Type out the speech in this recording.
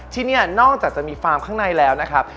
ที่นี่นอกจากจะมีฟาร์มข้างในแล้วนะครับ